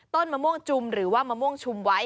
มะม่วงจุมหรือว่ามะม่วงชุมไว้